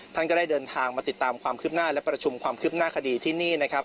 ท่านก็ได้เดินทางมาติดตามความคืบหน้าและประชุมความคืบหน้าคดีที่นี่นะครับ